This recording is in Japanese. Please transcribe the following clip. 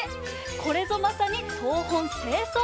これぞまさに「東奔西走」。